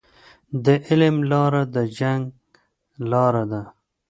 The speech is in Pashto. د علم لاره د جنت لاره ده.